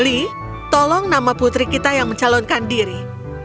beli tolong nama putri kita yang mencalonkan diri